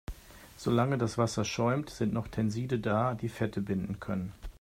Solange das Wasser schäumt, sind noch Tenside da, die Fette binden können.